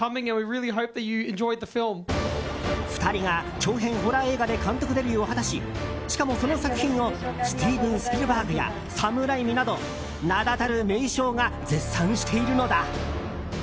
２人が長編ホラー映画で監督デビューを果たししかも、その作品をスティーブン・スピルバーグやサム・ライミなど名だたる名匠が絶賛しているのだ。